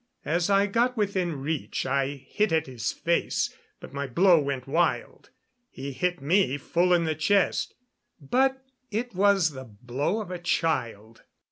As I got within reach I hit at his face, but my blow went wild. He hit me full in the chest, but it was the blow of a child.